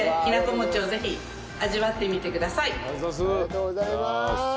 ありがとうございます。